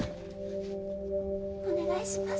お願いします。